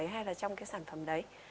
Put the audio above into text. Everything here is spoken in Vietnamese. hay là trong cái sản phẩm đấy